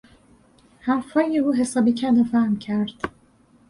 حرفهای او حسابی کلافهام کرد.